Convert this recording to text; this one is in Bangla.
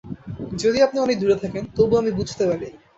যদিও আপনি অনেক দূরে থাকেন, তবু আমি বুঝতে পারি।